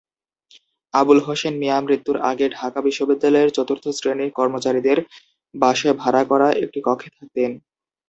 আবুল হোসেন মিয়া মৃত্যুর আগে ঢাকা বিশ্ববিদ্যালয়ে চতুর্থ শ্রেণি কর্মচারীদের বাসায় ভাড়া করা একটি কক্ষে থাকতেন।